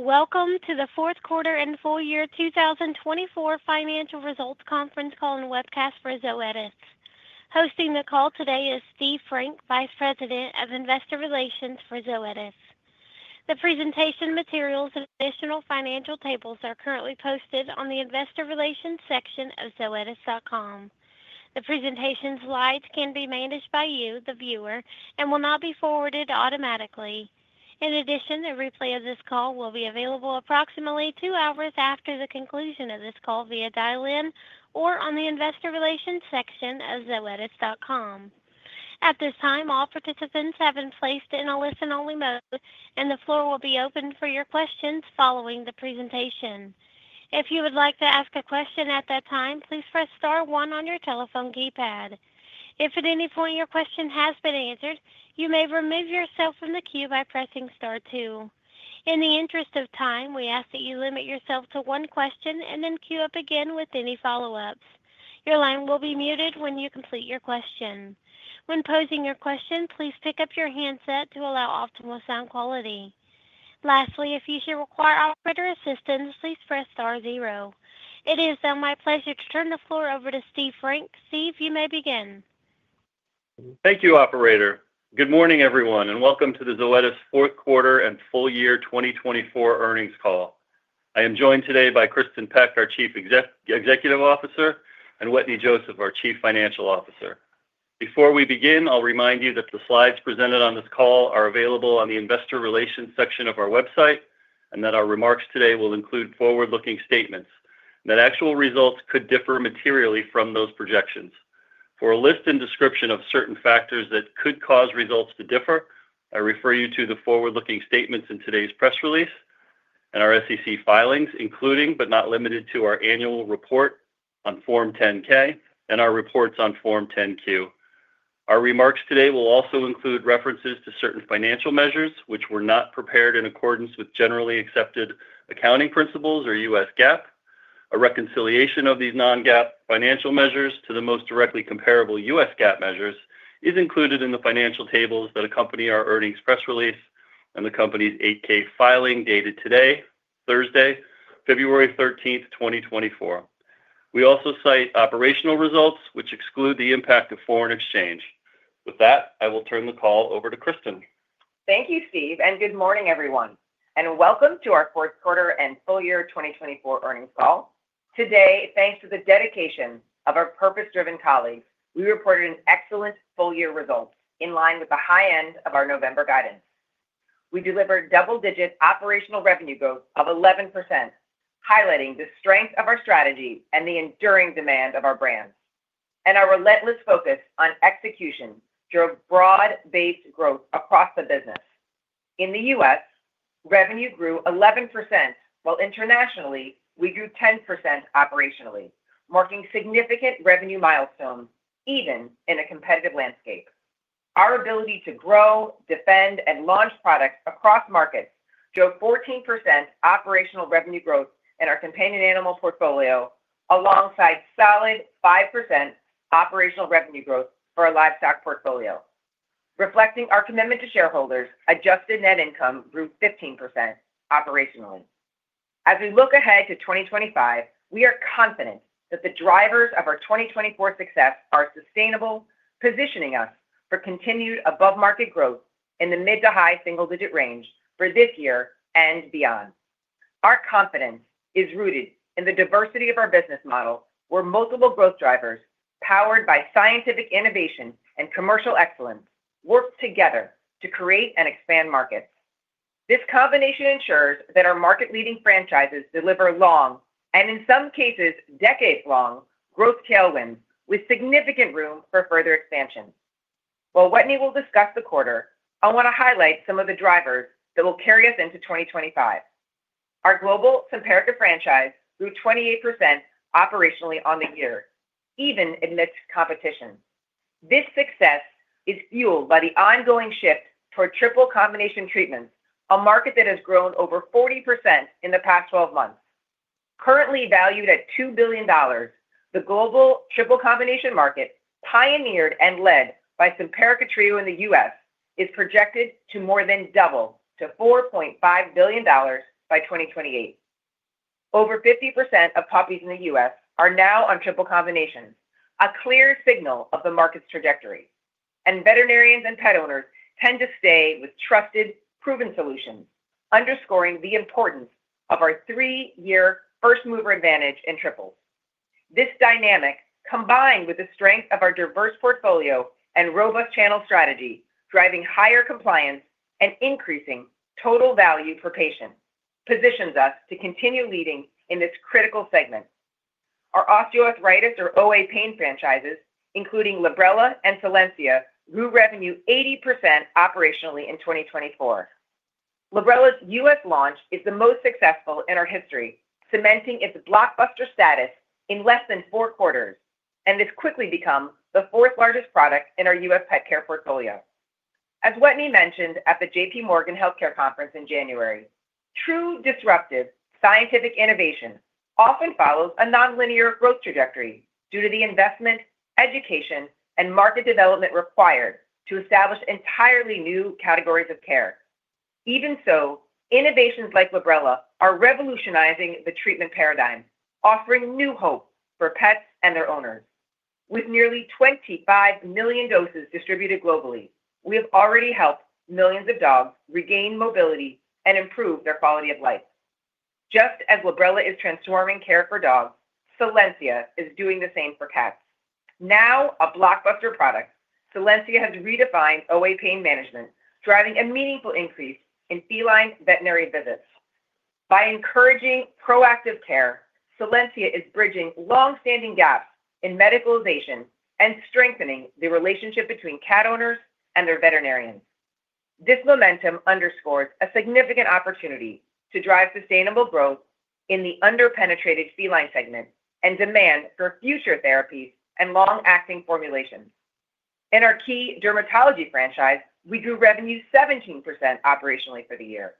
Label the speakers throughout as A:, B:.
A: Welcome to the Q4 and full year 2024 financial results conference call and webcast for Zoetis. Hosting the call today is Steve Frank, Vice President of Investor Relations for Zoetis. The presentation materials and additional financial tables are currently posted on the Investor Relations section of zoetis.com. The presentation's slides can be managed by you, the viewer, and will not be forwarded automatically. In addition, a replay of this call will be available approximately two hours after the conclusion of this call via dial-in or on the Investor Relations section of zoetis.com. At this time, all participants have been placed in a listen-only mode, and the floor will be open for your questions following the presentation. If you would like to ask a question at that time, please press star one on your telephone keypad. If at any point your question has been answered, you may remove yourself from the queue by pressing star two. In the interest of time, we ask that you limit yourself to one question and then queue up again with any follow-ups. Your line will be muted when you complete your question. When posing your question, please pick up your handset to allow optimal sound quality. Lastly, if you should require operator assistance, please press star zero. It is now my pleasure to turn the floor over to Steve Frank. Steve, you may begin.
B: Thank you, Operator. Good morning, everyone, and welcome to the Zoetis Q4 and full year 2024 earnings call. I am joined today by Kristin Peck, our Chief Executive Officer, and Wetteny Joseph, our Chief Financial Officer. Before we begin, I'll remind you that the slides presented on this call are available on the Investor Relations section of our website and that our remarks today will include forward-looking statements that actual results could differ materially from those projections. For a list and description of certain factors that could cause results to differ, I refer you to the forward-looking statements in today's press release and our SEC filings, including but not limited to our annual report on Form 10-K and our reports on Form 10-Q. Our remarks today will also include references to certain financial measures which were not prepared in accordance with generally accepted accounting principles or U.S. GAAP. A reconciliation of these non-GAAP financial measures to the most directly comparable U.S. GAAP measures is included in the financial tables that accompany our earnings press release and the company's 8-K filing dated today, Thursday, February 13, 2024. We also cite operational results which exclude the impact of foreign exchange. With that, I will turn the call over to Kristin.
C: Thank you, Steve, and good morning, everyone, and welcome to our Q4 and full year 2024 earnings call. Today, thanks to the dedication of our purpose-driven colleagues, we reported an excellent full year results in line with the high end of our November guidance. We delivered double-digit operational revenue growth of 11%, highlighting the strength of our strategy and the enduring demand of our brands. And our relentless focus on execution drove broad-based growth across the business. In the U.S., revenue grew 11%, while internationally we grew 10% operationally, marking significant revenue milestones even in a competitive landscape. Our ability to grow, defend, and launch products across markets drove 14% operational revenue growth in our companion animal portfolio, alongside solid 5% operational revenue growth for our livestock portfolio. Reflecting our commitment to shareholders, adjusted net income grew 15% operationally. As we look ahead to 2025, we are confident that the drivers of our 2024 success are sustainable, positioning us for continued above-market growth in the mid to high single-digit range for this year and beyond. Our confidence is rooted in the diversity of our business model, where multiple growth drivers, powered by scientific innovation and commercial excellence, work together to create and expand markets. This combination ensures that our market-leading franchises deliver long and, in some cases, decades-long growth tailwinds with significant room for further expansion. While Wetteny will discuss the quarter, I want to highlight some of the drivers that will carry us into 2025. Our global Simparica franchise grew 28% operationally on the year, even amidst competition. This success is fueled by the ongoing shift toward triple combination treatments, a market that has grown over 40% in the past 12 months. Currently valued at $2 billion, the global triple combination market, pioneered and led by Simparica Trio in the U.S., is projected to more than double to $4.5 billion by 2028. Over 50% of puppies in the U.S. are now on triple combinations, a clear signal of the market's trajectory, and veterinarians and pet owners tend to stay with trusted, proven solutions, underscoring the importance of our three-year first-mover advantage in triples. This dynamic, combined with the strength of our diverse portfolio and robust channel strategy, driving higher compliance and increasing total value per patient, positions us to continue leading in this critical segment. Our osteoarthritis or OA pain franchises, including Librela and Solensia, grew revenue 80% operationally in 2024. Librela's U.S. launch is the most successful in our history, cementing its blockbuster status in less than four quarters, and has quickly become the fourth largest product in our U.S. pet care portfolio. As Wetteny mentioned at the J.P. Morgan Healthcare Conference in January, true disruptive scientific innovation often follows a non-linear growth trajectory due to the investment, education, and market development required to establish entirely new categories of care. Even so, innovations like Librela are revolutionizing the treatment paradigm, offering new hope for pets and their owners. With nearly 25 million doses distributed globally, we have already helped millions of dogs regain mobility and improve their quality of life. Just as Librela is transforming care for dogs, Solensia is doing the same for cats. Now a blockbuster product, Solensia has redefined OA pain management, driving a meaningful increase in feline veterinary visits. By encouraging proactive care, Solensia is bridging long-standing gaps in medicalization and strengthening the relationship between cat owners and their veterinarians. This momentum underscores a significant opportunity to drive sustainable growth in the under-penetrated feline segment and demand for future therapies and long-acting formulations. In our key dermatology franchise, we grew revenue 17% operationally for the year.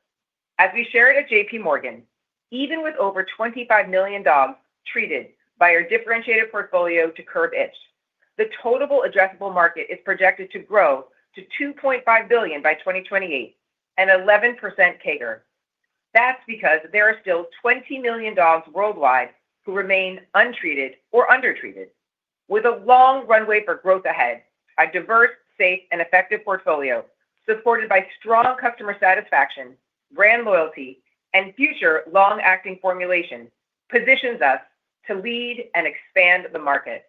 C: As we shared at J.P. Morgan, even with over 25 million dogs treated by our differentiated portfolio to curb itch, the total addressable market is projected to grow to 2.5 billion by 2028, an 11% CAGR. That's because there are still 20 million dogs worldwide who remain untreated or undertreated. With a long runway for growth ahead, a diverse, safe, and effective portfolio supported by strong customer satisfaction, brand loyalty, and future long-acting formulations positions us to lead and expand the market.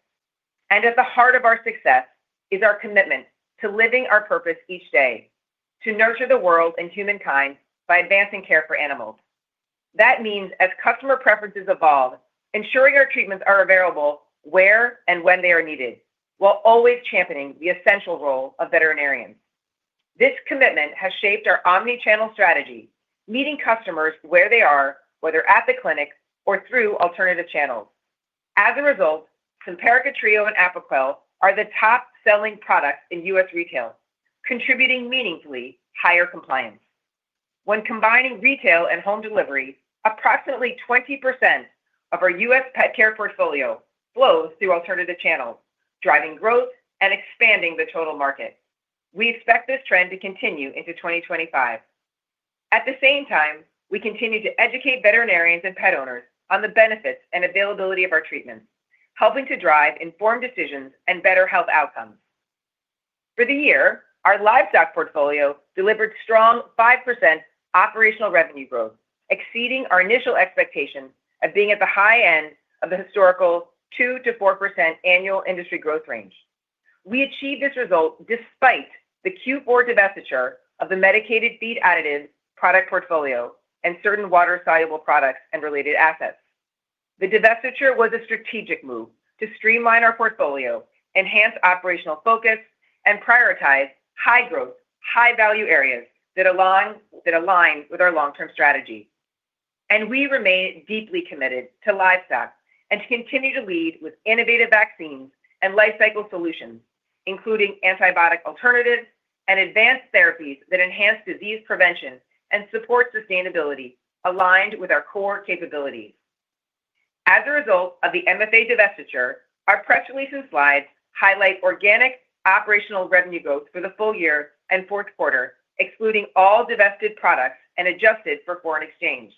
C: At the heart of our success is our commitment to living our purpose each day, to nurture the world and humankind by advancing care for animals. That means as customer preferences evolve, ensuring our treatments are available where and when they are needed, while always championing the essential role of veterinarians. This commitment has shaped our omnichannel strategy, meeting customers where they are, whether at the clinic or through alternative channels. As a result, Simparica Trio and Apoquel are the top-selling products in U.S. retail, contributing meaningfully to higher compliance. When combining retail and home delivery, approximately 20% of our U.S. pet care portfolio flows through alternative channels, driving growth and expanding the total market. We expect this trend to continue into 2025. At the same time, we continue to educate veterinarians and pet owners on the benefits and availability of our treatments, helping to drive informed decisions and better health outcomes. For the year, our livestock portfolio delivered strong 5% operational revenue growth, exceeding our initial expectation of being at the high end of the historical 2%-4% annual industry growth range. We achieved this result despite the Q4 divestiture of the medicated feed additives product portfolio and certain water-soluble products and related assets. The divestiture was a strategic move to streamline our portfolio, enhance operational focus, and prioritize high-growth, high-value areas that align with our long-term strategy. And we remain deeply committed to livestock and to continue to lead with innovative vaccines and lifecycle solutions, including antibiotic alternatives and advanced therapies that enhance disease prevention and support sustainability, aligned with our core capabilities. As a result of the MFA divestiture, our press release and slides highlight organic operational revenue growth for the full year and Q4, excluding all divested products and adjusted for foreign exchange.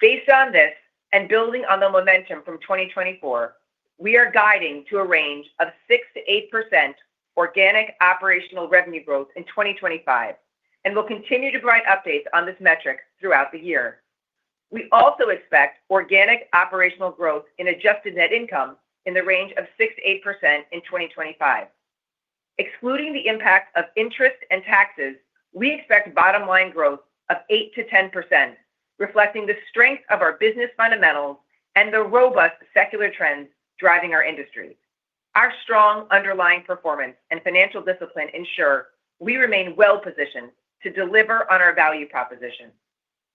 C: Based on this and building on the momentum from 2024, we are guiding to a range of 6%-8% organic operational revenue growth in 2025 and will continue to provide updates on this metric throughout the year. We also expect organic operational growth in adjusted net income in the range of 6%-8% in 2025. Excluding the impact of interest and taxes, we expect bottom-line growth of 8%-10%, reflecting the strength of our business fundamentals and the robust secular trends driving our industry. Our strong underlying performance and financial discipline ensure we remain well-positioned to deliver on our value proposition.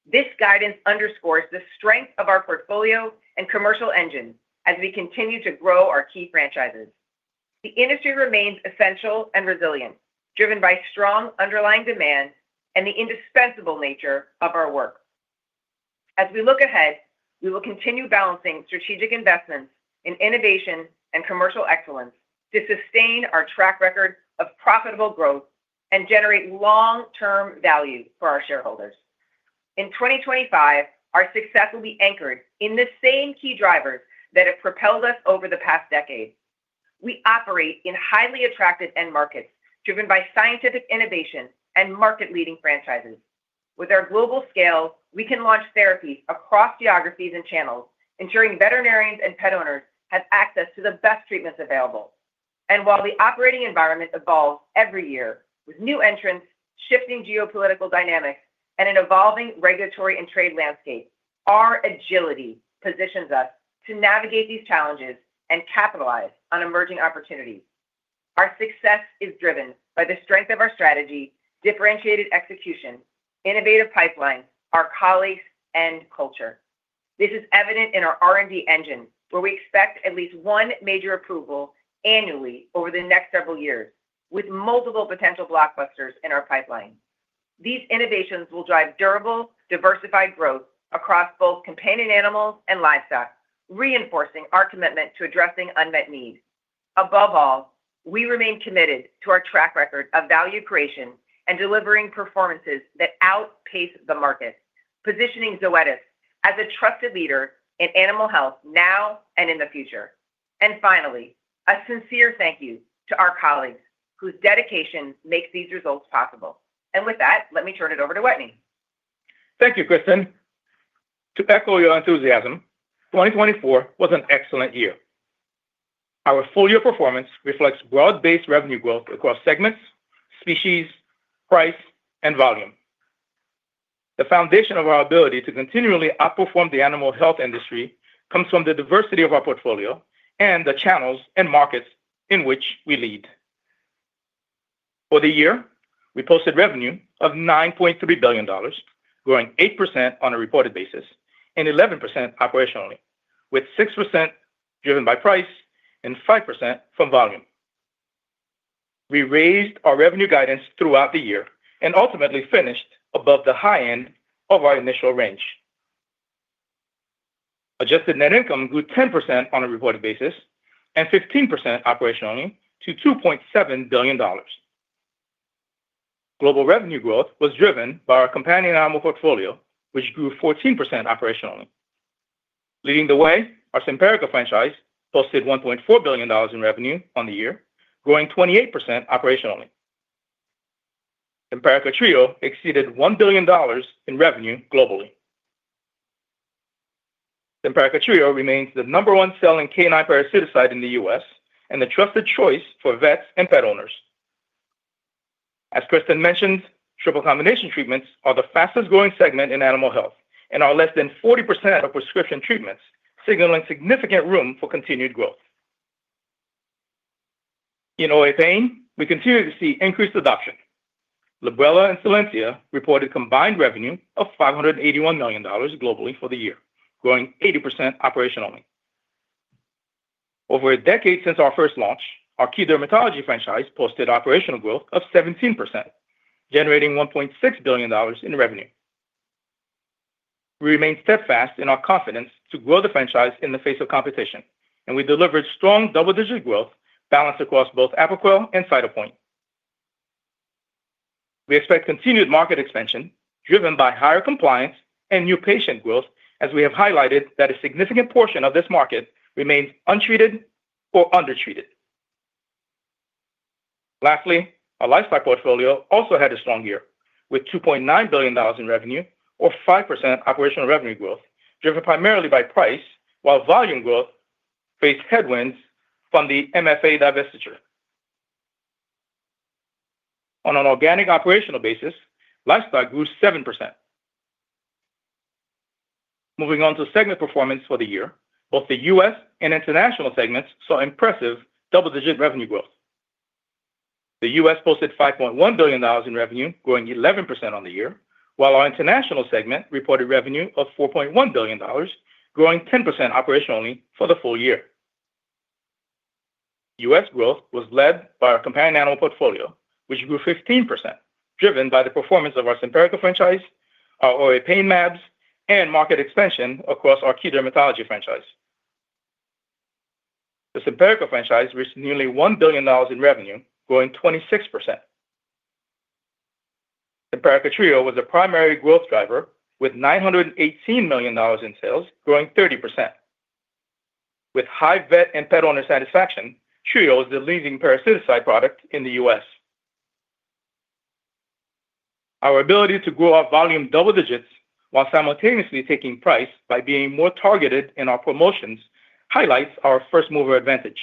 C: This guidance underscores the strength of our portfolio and commercial engine as we continue to grow our key franchises. The industry remains essential and resilient, driven by strong underlying demand and the indispensable nature of our work. As we look ahead, we will continue balancing strategic investments in innovation and commercial excellence to sustain our track record of profitable growth and generate long-term value for our shareholders. In 2025, our success will be anchored in the same key drivers that have propelled us over the past decade. We operate in highly attractive end markets driven by scientific innovation and market-leading franchises. With our global scale, we can launch therapies across geographies and channels, ensuring veterinarians and pet owners have access to the best treatments available. And while the operating environment evolves every year with new entrants, shifting geopolitical dynamics, and an evolving regulatory and trade landscape, our agility positions us to navigate these challenges and capitalize on emerging opportunities. Our success is driven by the strength of our strategy, differentiated execution, innovative pipeline, our colleagues, and culture. This is evident in our R&D engine, where we expect at least one major approval annually over the next several years, with multiple potential blockbusters in our pipeline. These innovations will drive durable, diversified growth across both companion animals and livestock, reinforcing our commitment to addressing unmet needs. Above all, we remain committed to our track record of value creation and delivering performances that outpace the market, positioning Zoetis as a trusted leader in animal health now and in the future. And finally, a sincere thank you to our colleagues whose dedication makes these results possible. With that, let me turn it over to Wetteny.
D: Thank you, Kristin. To echo your enthusiasm, 2024 was an excellent year. Our full-year performance reflects broad-based revenue growth across segments, species, price, and volume. The foundation of our ability to continually outperform the animal health industry comes from the diversity of our portfolio and the channels and markets in which we lead. For the year, we posted revenue of $9.3 billion, growing 8% on a reported basis and 11% operationally, with 6% driven by price and 5% from volume. We raised our revenue guidance throughout the year and ultimately finished above the high end of our initial range. Adjusted net income grew 10% on a reported basis and 15% operationally to $2.7 billion. Global revenue growth was driven by our companion animal portfolio, which grew 14% operationally. Leading the way, our Simparica franchise posted $1.4 billion in revenue on the year, growing 28% operationally. Simparica Trio exceeded $1 billion in revenue globally. Simparica Trio remains the number one selling canine parasiticide in the U.S. and the trusted choice for vets and pet owners. As Kristin mentioned, triple combination treatments are the fastest-growing segment in animal health and are less than 40% of prescription treatments, signaling significant room for continued growth. In OA pain, we continue to see increased adoption. Librela and Solensia reported combined revenue of $581 million globally for the year, growing 80% operationally. Over a decade since our first launch, our key dermatology franchise posted operational growth of 17%, generating $1.6 billion in revenue. We remain steadfast in our confidence to grow the franchise in the face of competition, and we delivered strong double-digit growth balanced across both Apoquel and Cytopoint. We expect continued market expansion, driven by higher compliance and new patient growth, as we have highlighted that a significant portion of this market remains untreated or undertreated. Lastly, our livestock portfolio also had a strong year, with $2.9 billion in revenue or 5% operational revenue growth, driven primarily by price, while volume growth faced headwinds from the MFA divestiture. On an organic operational basis, livestock grew 7%. Moving on to segment performance for the year, both the U.S. and international segments saw impressive double-digit revenue growth. The U.S. posted $5.1 billion in revenue, growing 11% on the year, while our international segment reported revenue of $4.1 billion, growing 10% operationally for the full year. U.S. growth was led by our companion animal portfolio, which grew 15%, driven by the performance of our Simparica franchise, our OA pain mAbs, and market expansion across our key dermatology franchise. The Simparica franchise reached nearly $1 billion in revenue, growing 26%. Simparica Trio was the primary growth driver, with $918 million in sales, growing 30%. With high vet and pet owner satisfaction, Trio is the leading parasiticide product in the U.S. Our ability to grow our volume double digits while simultaneously taking price by being more targeted in our promotions highlights our first-mover advantage.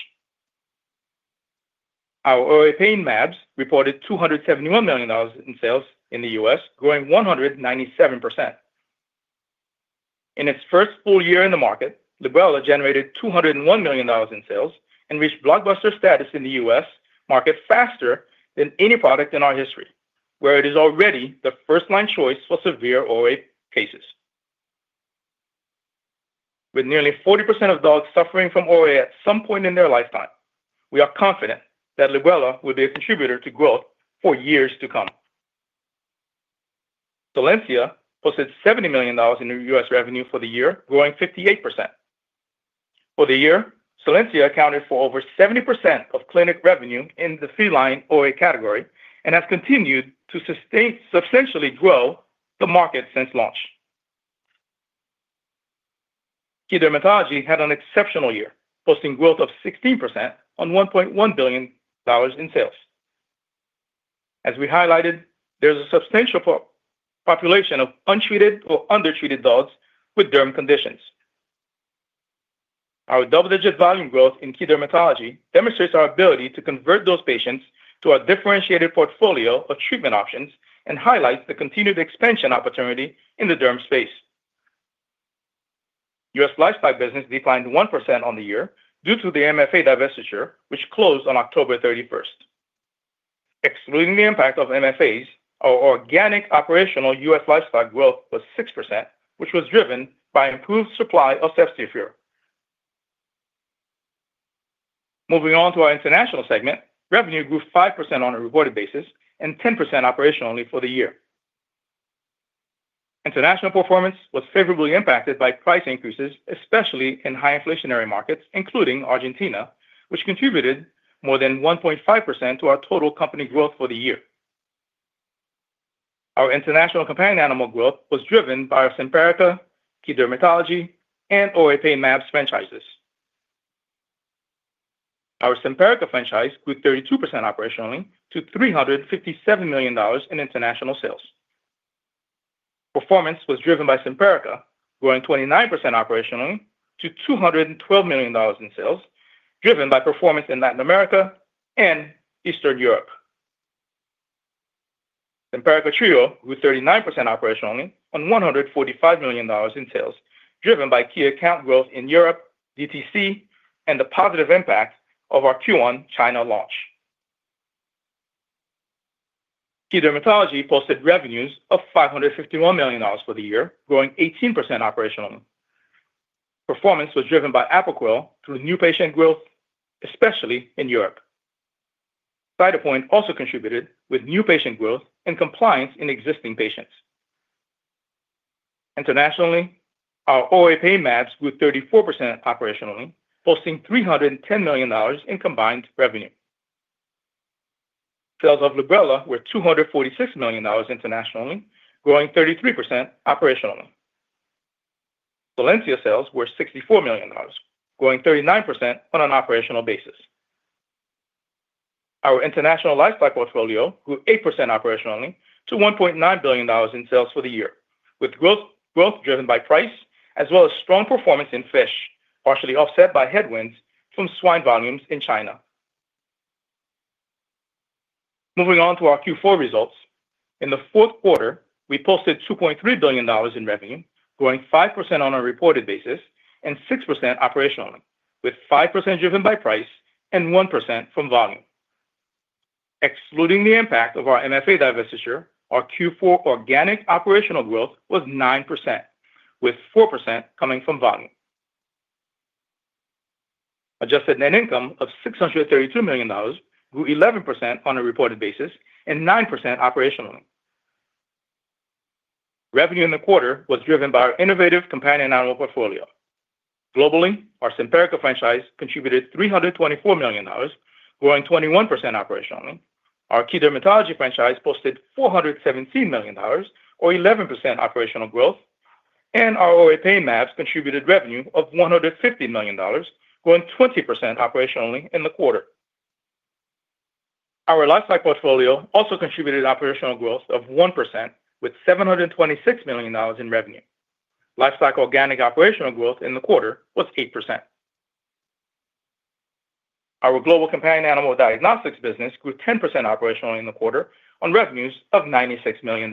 D: Our OA pain mAbs reported $271 million in sales in the U.S., growing 197%. In its first full year in the market, Librela generated $201 million in sales and reached blockbuster status in the U.S. market faster than any product in our history, where it is already the first-line choice for severe OA cases. With nearly 40% of dogs suffering from OA at some point in their lifetime, we are confident that Librela will be a contributor to growth for years to come. Solensia posted $70 million in U.S. revenue for the year, growing 58%. For the year, Solensia accounted for over 70% of clinic revenue in the feline OA category and has continued to substantially grow the market since launch. Key dermatology had an exceptional year, posting growth of 16% on $1.1 billion in sales. As we highlighted, there's a substantial population of untreated or undertreated dogs with derm conditions. Our double-digit volume growth in key dermatology demonstrates our ability to convert those patients to a differentiated portfolio of treatment options and highlights the continued expansion opportunity in the derm space. U.S. livestock business declined 1% on the year due to the MFA divestiture, which closed on October 31st. Excluding the impact of MFAs, our organic operational U.S. livestock growth was 6%, which was driven by improved supply of ceftiofur. Moving on to our international segment, revenue grew 5% on a reported basis and 10% operationally for the year. International performance was favorably impacted by price increases, especially in high-inflationary markets, including Argentina, which contributed more than 1.5% to our total company growth for the year. Our international companion animal growth was driven by our Simparica, key dermatology, and OA pain mAbs franchises. Our Simparica franchise grew 32% operationally to $357 million in international sales. Performance was driven by Simparica, growing 29% operationally to $212 million in sales, driven by performance in Latin America and Eastern Europe. Simparica Trio grew 39% operationally on $145 million in sales, driven by key account growth in Europe, DTC, and the positive impact of our Q1 China launch. Key dermatology posted revenues of $551 million for the year, growing 18% operationally. Performance was driven by Apoquel through new patient growth, especially in Europe. Cytopoint also contributed with new patient growth and compliance in existing patients. Internationally, our OA pain mAbs grew 34% operationally, posting $310 million in combined revenue. Sales of Librela were $246 million internationally, growing 33% operationally. Solensia sales were $64 million, growing 39% on an operational basis. Our international livestock portfolio grew 8% operationally to $1.9 billion in sales for the year, with growth driven by price as well as strong performance in fish, partially offset by headwinds from swine volumes in China. Moving on to our Q4 results, in the Q4, we posted $2.3 billion in revenue, growing 5% on a reported basis and 6% operationally, with 5% driven by price and 1% from volume. Excluding the impact of our MFA divestiture, our Q4 organic operational growth was 9%, with 4% coming from volume. Adjusted net income of $632 million grew 11% on a reported basis and 9% operationally. Revenue in the quarter was driven by our innovative companion animal portfolio. Globally, our Simparica franchise contributed $324 million, growing 21% operationally. Our key dermatology franchise posted $417 million, or 11% operational growth, and our OA pain mAbs contributed revenue of $150 million, growing 20% operationally in the quarter. Our livestock portfolio also contributed operational growth of 1%, with $726 million in revenue. Livestock organic operational growth in the quarter was 8%. Our global companion animal diagnostics business grew 10% operationally in the quarter on revenues of $96 million.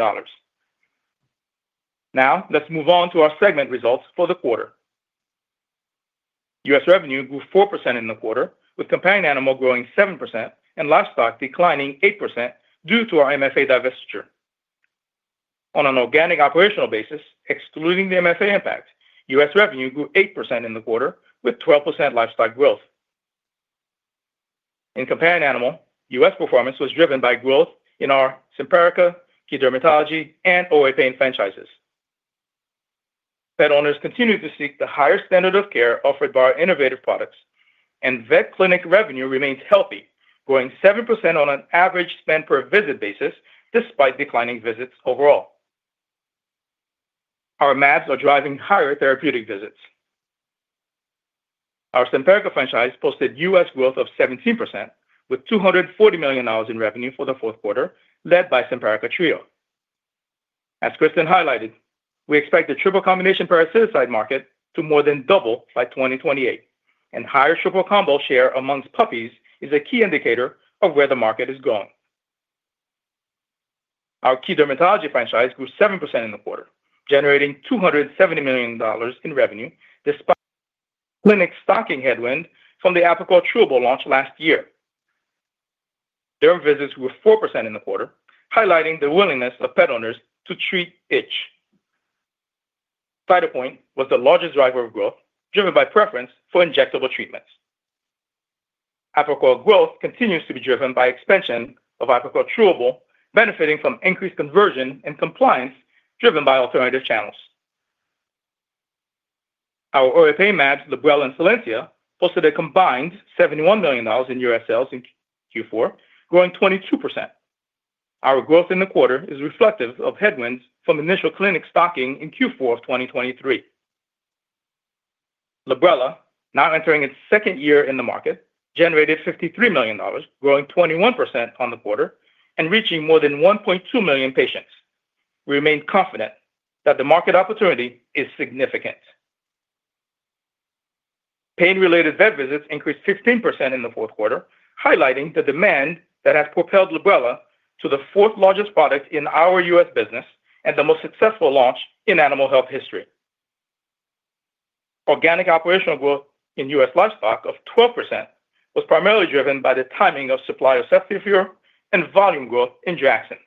D: Now, let's move on to our segment results for the quarter. U.S. revenue grew 4% in the quarter, with companion animal growing 7% and livestock declining 8% due to our MFA divestiture. On an organic operational basis, excluding the MFA impact, U.S. revenue grew 8% in the quarter, with 12% livestock growth. In companion animal, U.S. performance was driven by growth in our Simparica, key dermatology, and OA pain franchises. Pet owners continue to seek the higher standard of care offered by our innovative products, and vet clinic revenue remains healthy, growing 7% on an average spend-per-visit basis despite declining visits overall. Our mAbs are driving higher therapeutic visits. Our Simparica franchise posted U.S. growth of 17%, with $240 million in revenue for the Q4, led by Simparica Trio. As Kristin highlighted, we expect the triple combination parasiticide market to more than double by 2028, and higher triple combo share amongst puppies is a key indicator of where the market is going. Our key dermatology franchise grew 7% in the quarter, generating $270 million in revenue despite clinic stocking headwind from the Apoquel Chewable launch last year. Derm visits grew 4% in the quarter, highlighting the willingness of pet owners to treat itch. Cytopoint was the largest driver of growth, driven by preference for injectable treatments. Apoquel growth continues to be driven by expansion of Apoquel Chewable, benefiting from increased conversion and compliance driven by alternative channels. Our OA pain mAbs, Librela and Solensia, posted a combined $71 million in U.S. sales in Q4, growing 22%. Our growth in the quarter is reflective of headwinds from initial clinic stocking in Q4 of 2023. Librela, now entering its second year in the market, generated $53 million, growing 21% on the quarter and reaching more than 1.2 million patients. We remain confident that the market opportunity is significant. Pain-related vet visits increased 16% in the Q4, highlighting the demand that has propelled Librela to the fourth-largest product in our U.S. business and the most successful launch in animal health history. Organic operational growth in U.S. livestock of 12% was primarily driven by the timing of supply of Ceftiofur and volume growth in Draxxin.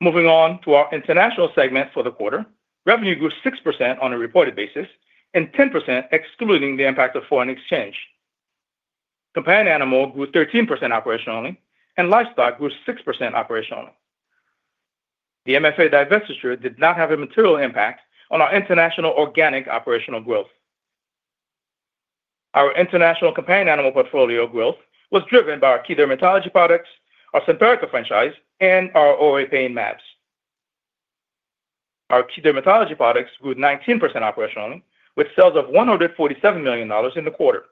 D: Moving on to our international segment for the quarter, revenue grew 6% on a reported basis and 10%, excluding the impact of foreign exchange. Companion animal grew 13% operationally, and livestock grew 6% operationally. The MFA divestiture did not have a material impact on our international organic operational growth. Our international companion animal portfolio growth was driven by our key dermatology products, our Simparica franchise, and our OA pain Abs. Our key dermatology products grew 19% operationally, with sales of $147 million in the quarter.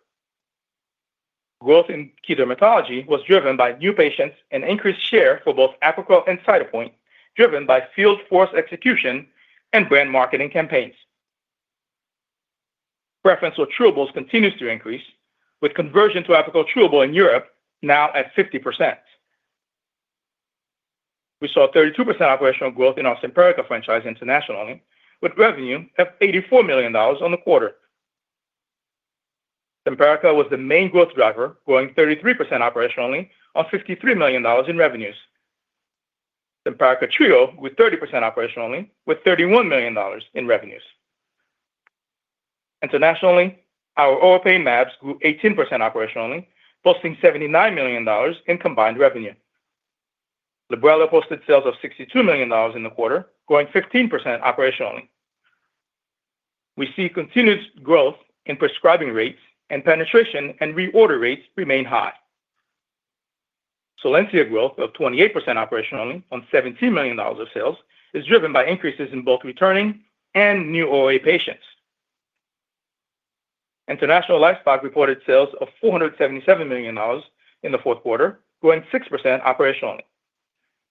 D: Growth in key dermatology was driven by new patients and increased share for both Apoquel and Cytopoint, driven by field force execution and brand marketing campaigns. Preference for Chewable continues to increase, with conversion to Apoquel Chewable in Europe now at 50%. We saw 32% operational growth in our Simparica franchise internationally, with revenue of $84 million on the quarter. Simparica was the main growth driver, growing 33% operationally on $53 million in revenues. Simparica Trio grew 30% operationally, with $31 million in revenues. Internationally, our OA pain mAbs grew 18% operationally, posting $79 million in combined revenue. Librela posted sales of $62 million in the quarter, growing 15% operationally. We see continued growth in prescribing rates, and penetration and reorder rates remain high. Solensia growth of 28% operationally on $17 million of sales is driven by increases in both returning and new OA patients. International livestock reported sales of $477 million in the Q4, growing 6% operationally.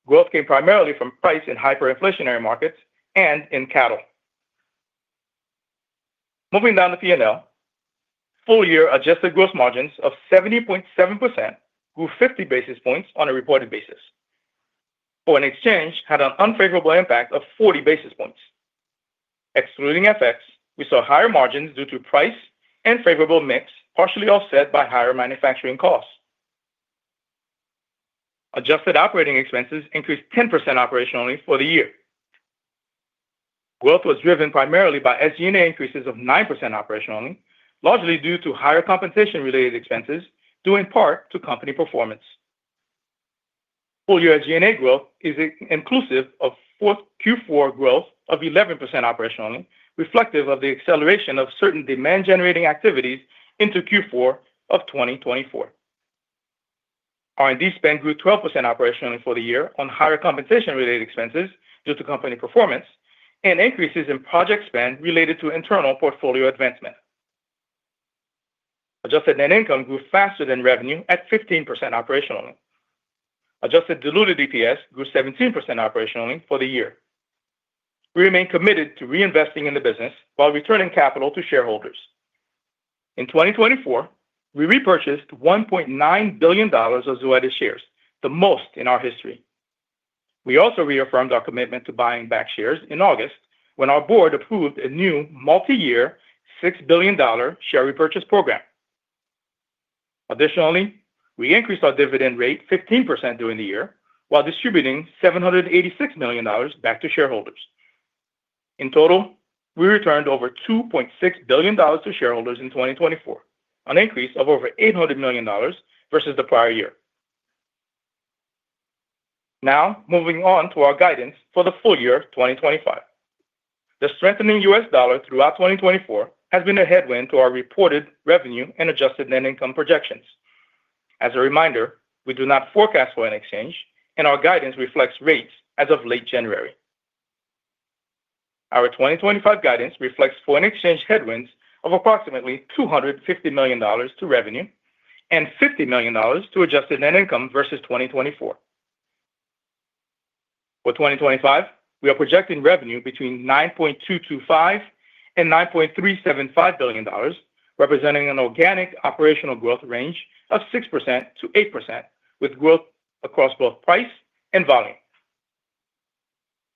D: Growth came primarily from price in hyper-inflationary markets and in cattle. Moving down the P&L, full-year adjusted gross margins of 70.7% grew 50 basis points on a reported basis. Foreign exchange had an unfavorable impact of 40 basis points. Excluding FX, we saw higher margins due to price and favorable mix, partially offset by higher manufacturing costs. Adjusted operating expenses increased 10% operationally for the year. Growth was driven primarily by SG&A increases of 9% operationally, largely due to higher compensation-related expenses due in part to company performance. Full-year SG&A growth is inclusive of Q4 growth of 11% operationally, reflective of the acceleration of certain demand-generating activities into Q4 of 2024. R&D spend grew 12% operationally for the year on higher compensation-related expenses due to company performance and increases in project spend related to internal portfolio advancement. Adjusted net income grew faster than revenue at 15% operationally. Adjusted diluted EPS grew 17% operationally for the year. We remain committed to reinvesting in the business while returning capital to shareholders. In 2024, we repurchased $1.9 billion of Zoetis shares, the most in our history. We also reaffirmed our commitment to buying back shares in August when our board approved a new multi-year $6 billion share repurchase program. Additionally, we increased our dividend rate 15% during the year while distributing $786 million back to shareholders. In total, we returned over $2.6 billion to shareholders in 2024, an increase of over $800 million versus the prior year. Now, moving on to our guidance for the full year 2025. The strengthening U.S. dollar throughout 2024 has been a headwind to our reported revenue and adjusted net income projections. As a reminder, we do not forecast foreign exchange, and our guidance reflects rates as of late January. Our 2025 guidance reflects foreign exchange headwinds of approximately $250 million to revenue and $50 million to adjusted net income versus 2024. For 2025, we are projecting revenue between $9.225 to 9.375 billion, representing an organic operational growth range of 6%-8%, with growth across both price and volume.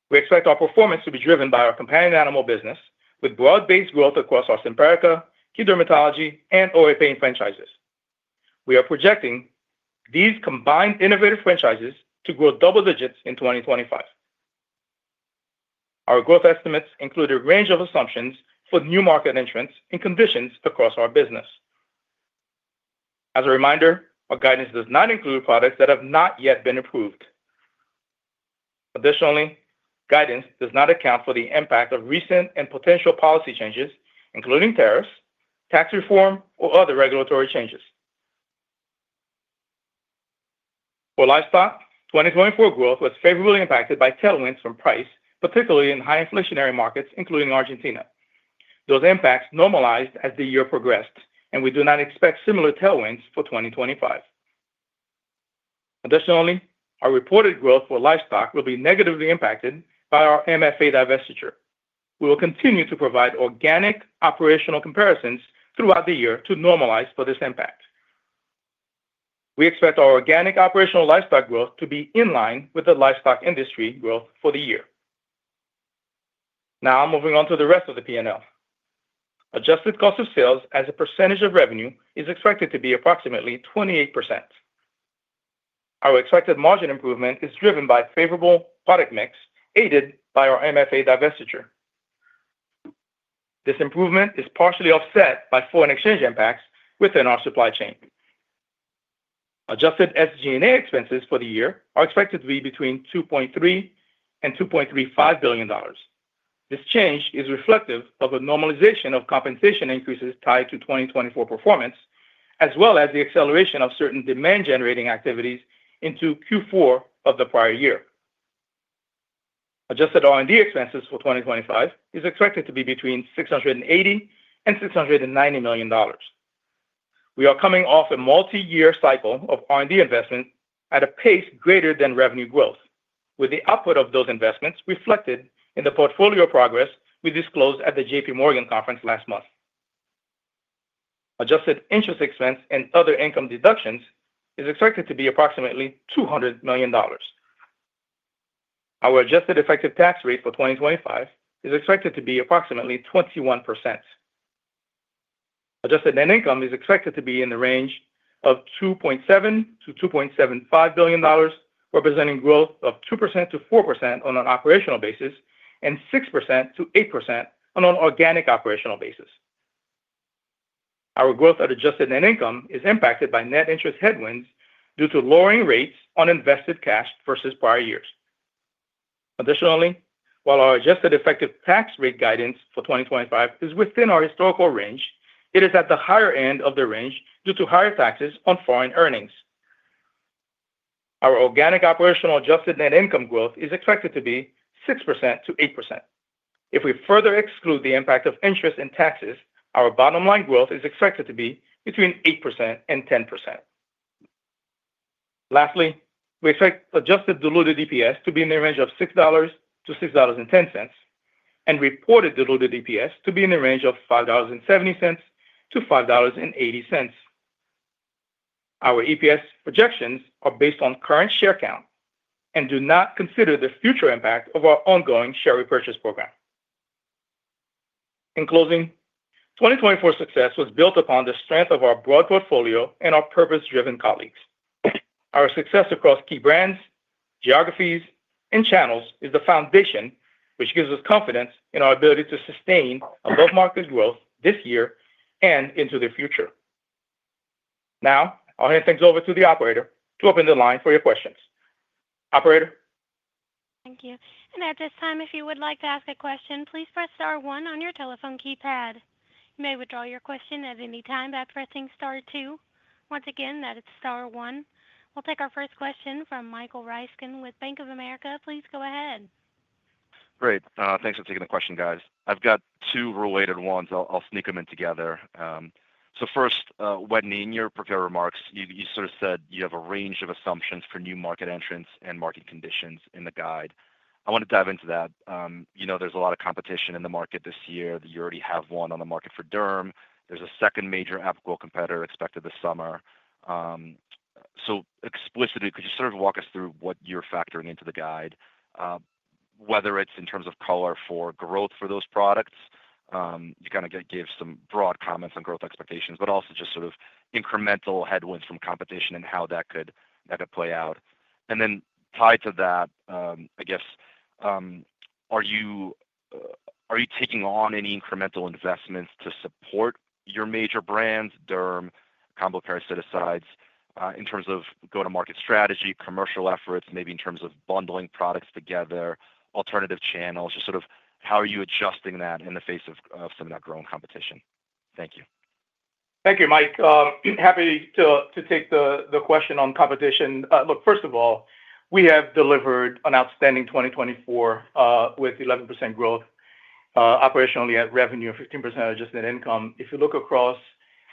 D: We expect our performance to be driven by our companion animal business, with broad-based growth across our Simparica, key dermatology, and OA pain franchises. We are projecting these combined innovative franchises to grow double digits in 2025. Our growth estimates include a range of assumptions for new market entrants and conditions across our business. As a reminder, our guidance does not include products that have not yet been approved. Additionally, guidance does not account for the impact of recent and potential policy changes, including tariffs, tax reform, or other regulatory changes. For livestock, 2024 growth was favorably impacted by tailwinds from price, particularly in high-inflationary markets, including Argentina. Those impacts normalized as the year progressed, and we do not expect similar tailwinds for 2025. Additionally, our reported growth for livestock will be negatively impacted by our MFA divestiture. We will continue to provide organic operational comparisons throughout the year to normalize for this impact. We expect our organic operational livestock growth to be in line with the livestock industry growth for the year. Now, moving on to the rest of the P&L. Adjusted cost of sales as a percentage of revenue is expected to be approximately 28%. Our expected margin improvement is driven by favorable product mix aided by our MFA divestiture. This improvement is partially offset by foreign exchange impacts within our supply chain. Adjusted SG&A expenses for the year are expected to be between $2.3 to 2.35 billion. This change is reflective of a normalization of compensation increases tied to 2024 performance, as well as the acceleration of certain demand-generating activities into Q4 of the prior year. Adjusted R&D expenses for 2025 are expected to be between $680 to 690 million. We are coming off a multi-year cycle of R&D investment at a pace greater than revenue growth, with the output of those investments reflected in the portfolio progress we disclosed at the J.P. Morgan Conference last month. Adjusted interest expense and other income deductions are expected to be approximately $200 million. Our adjusted effective tax rate for 2025 is expected to be approximately 21%. Adjusted Net Income is expected to be in the range of $2.7 to 2.75 billion, representing growth of 2%-4% on an operational basis and 6%-8% on an organic operational basis. Our growth at Adjusted Net Income is impacted by net interest headwinds due to lowering rates on invested cash versus prior years. Additionally, while our Adjusted Effective Tax Rate guidance for 2025 is within our historical range, it is at the higher end of the range due to higher taxes on foreign earnings. Our organic operational Adjusted Net Income growth is expected to be 6%-8%. If we further exclude the impact of interest and taxes, our bottom-line growth is expected to be between 8% and 10%. Lastly, we expect Adjusted Diluted EPS to be in the range of $6-$6.10 and Reported Diluted EPS to be in the range of $5.70-$5.80. Our EPS projections are based on current share count and do not consider the future impact of our ongoing share repurchase program. In closing, 2024 success was built upon the strength of our broad portfolio and our purpose-driven colleagues. Our success across key brands, geographies, and channels is the foundation which gives us confidence in our ability to sustain above-market growth this year and into the future. Now, I'll hand things over to the operator to open the line for your questions. Operator.
A: Thank you. And at this time, if you would like to ask a question, please press Star 1 on your telephone keypad. You may withdraw your question at any time by pressing Star 2. Once again, that is Star 1. We'll take our first question from Michael Ryskin with Bank of America. Please go ahead.
E: `Great. Thanks for taking the question, guys. I've got two related ones. I'll sneak them in together. So first, Wetteny, in your prepared remarks, you sort of said you have a range of assumptions for new market entrants and market conditions in the guide. I want to dive into that. You know there's a lot of competition in the market this year. You already have one on the market for Derm. There's a second major Apoquel competitor expected this summer. So explicitly, could you sort of walk us through what you're factoring into the guide, whether it's in terms of color for growth for those products? You kind of gave some broad comments on growth expectations, but also just sort of incremental headwinds from competition and how that could play out. And then tied to that, I guess, are you taking on any incremental investments to support your major brands, Derm, Combo parasiticides, in terms of go-to-market strategy, commercial efforts, maybe in terms of bundling products together, alternative channels? Just sort of how are you adjusting that in the face of some of that growing competition? Thank you.
D: Thank you, Mike. Happy to take the question on competition. Look, first of all, we have delivered an outstanding 2024 with 11% growth, operationally at revenue of 15% adjusted net income. If you look across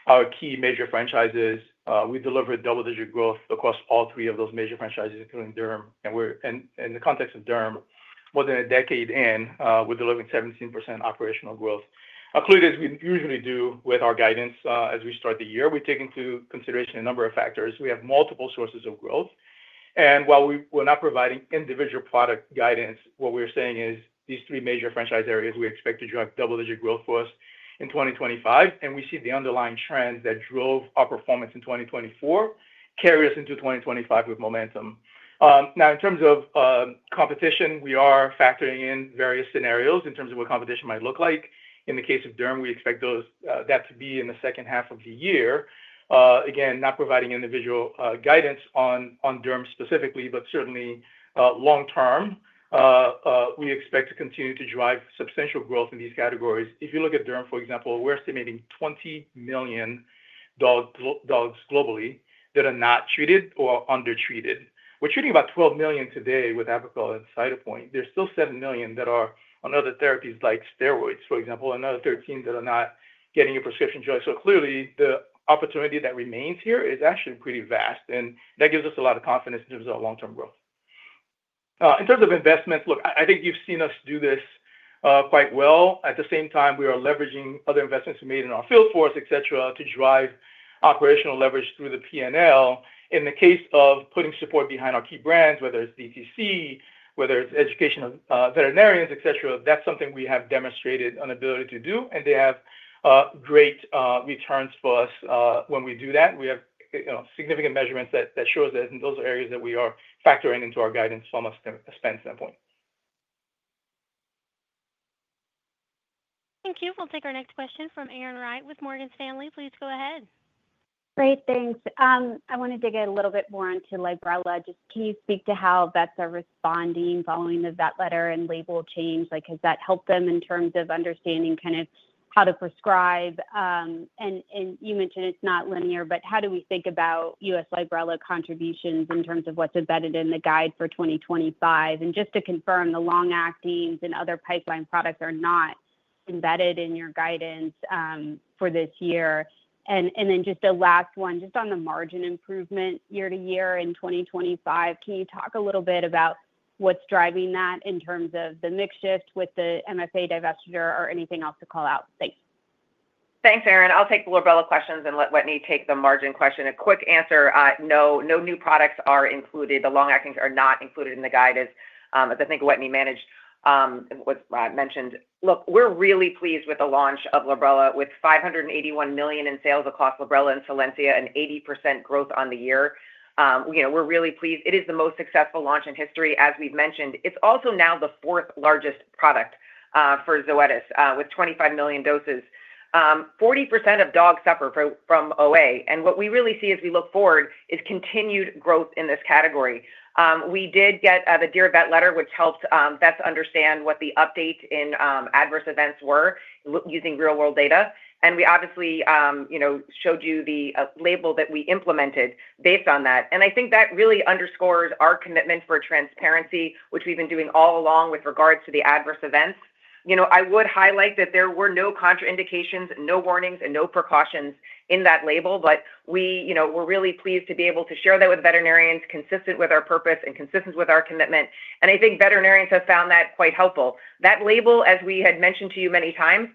D: our key major franchises, we delivered double-digit growth across all three of those major franchises, including Derm. And in the context of Derm, more than a decade in, we're delivering 17% operational growth. Clearly, as we usually do with our guidance as we start the year, we take into consideration a number of factors. We have multiple sources of growth, and while we're not providing individual product guidance, what we're saying is these three major franchise areas we expect to drive double-digit growth for us in 2025. We see the underlying trend that drove our performance in 2024 carry us into 2025 with momentum. Now, in terms of competition, we are factoring in various scenarios in terms of what competition might look like. In the case of Derm, we expect that to be in the second half of the year. Again, not providing individual guidance on Derm specifically, but certainly long-term, we expect to continue to drive substantial growth in these categories. If you look at Derm, for example, we're estimating 20 million dogs globally that are not treated or undertreated. We're treating about 12 million today with Apoquel and Cytopoint. There's still seven million that are on other therapies like steroids, for example, and another 13 that are not getting a prescription drug. So clearly, the opportunity that remains here is actually pretty vast, and that gives us a lot of confidence in terms of our long-term growth. In terms of investments, look, I think you've seen us do this quite well. At the same time, we are leveraging other investments we made in our field force, etc., to drive operational leverage through the P&L. In the case of putting support behind our key brands, whether it's DTC, whether it's educational veterinarians, etc., that's something we have demonstrated an ability to do, and they have great returns for us when we do that. We have significant measurements that show us that in those areas that we are factoring into our guidance from a spend standpoint.
A: Thank you. We'll take our next question from Erin Wright with Morgan Stanley. Please go ahead.
F: Great. Thanks. I want to dig in a little bit more into Librela. Just can you speak to how vets are responding following the vet letter and label change? Has that helped them in terms of understanding kind of how to prescribe? And you mentioned it's not linear, but how do we think about US Librela contributions in terms of what's embedded in the guide for 2025? And just to confirm, the long-acting and other pipeline products are not embedded in your guidance for this year. And then just a last one, just on the margin improvement year to year in 2025, can you talk a little bit about what's driving that in terms of the mix shift with the MFA divestiture or anything else to call out? Thanks.
C: Thanks, Erin. I'll take the Librela questions and let Wetteny take the margin question. A quick answer, no new products are included. The long-actings are not included in the guide, as I think Wetteny mentioned what I mentioned. Look, we're really pleased with the launch of Librela with $581 million in sales across Librela and Solensia and 80% growth on the year. We're really pleased. It is the most successful launch in history, as we've mentioned. It's also now the fourth largest product for Zoetis with 25 million doses. 40% of dogs suffer from OA. What we really see as we look forward is continued growth in this category. We did get the Dear Vet Letter, which helped vets understand what the update in adverse events were using real-world data. We obviously showed you the label that we implemented based on that. I think that really underscores our commitment for transparency, which we've been doing all along with regards to the adverse events. I would highlight that there were no contraindications, no warnings, and no precautions in that label, but we were really pleased to be able to share that with veterinarians, consistent with our purpose and consistent with our commitment. I think veterinarians have found that quite helpful. That label, as we had mentioned to you many times,